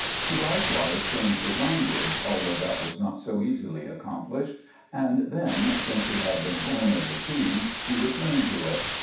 He likewise changed his language, although that was not so easily accomplished, and then, since he had been born of the sea, he returned to it.